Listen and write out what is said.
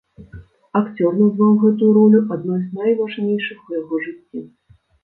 Акцёр назваў гэтую ролю адной з найважнейшых у яго жыцці.